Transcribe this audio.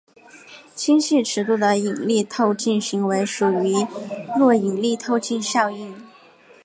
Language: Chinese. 星系尺度的引力透镜行为属于弱引力透镜效应。